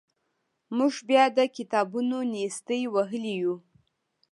موږ بیا د کتابونو نیستۍ وهلي وو.